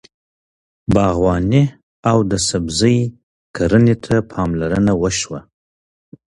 باغواني او د سبزۍ کرنې ته پاملرنه وشوه.